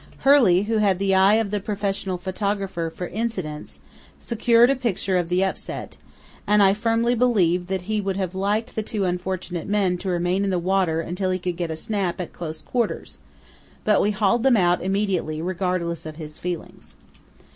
Hurley, who had the eye of the professional photographer for "incidents," secured a picture of the upset, and I firmly believe that he would have liked the two unfortunate men to remain in the water until he could get a "snap" at close quarters; but we hauled them out immediately, regardless of his feelings.